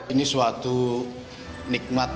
ini suatu nikmat